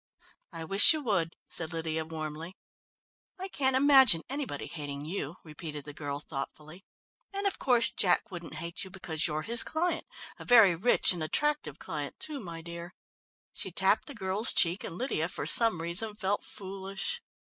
"I wish you would," said Lydia warmly. "I can't imagine anybody hating you," repeated the girl thoughtfully. "And, of course, Jack wouldn't hate you because you're his client a very rich and attractive client too, my dear." She tapped the girl's cheek and Lydia, for some reason, felt foolish.